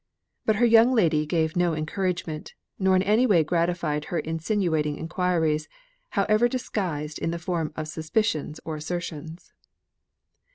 But her young lady gave her no encouragement, nor in any way gratified her insinuating enquiries, however disguised in the form of suspicions or assertions.